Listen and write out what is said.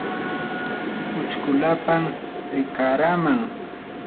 uchkulapam rikaraman.